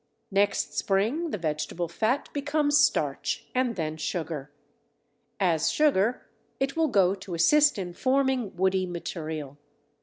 Next spring the vegetable fat becomes starch and then sugar: as sugar it will go to assist in forming woody material.